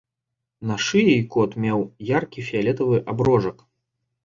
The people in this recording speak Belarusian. На шыі кот меў яркі фіялетавы аброжак.